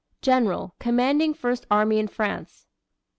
General, commanding First Army in France.